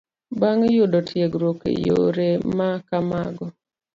Bang' yudo tiegruok e yore ma kamago